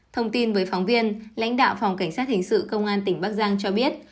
thông tin với phóng viên lãnh đạo phòng cảnh sát hình sự công an tỉnh bắc giang cho biết